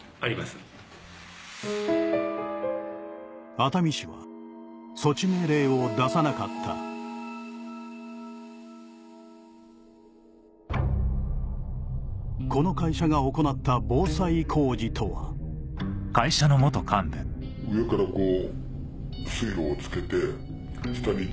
熱海市は措置命令を出さなかったこの会社が行った防災工事とは上からこう。